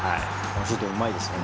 シュート、うまいですね。